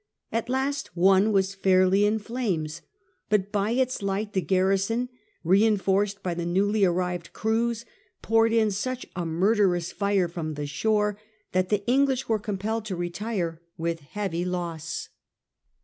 At last one was fairly in flames, but by its light the garrison, reinforced by the newly airived crews, poured in such a murderous fire from the shore that the English were compelled to retire with heavy loss.